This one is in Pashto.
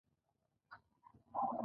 • د غاښونو قوي کول د سالم ژوند نښه ده.